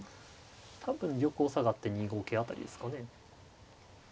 多分玉を下がって２五桂辺りですかね。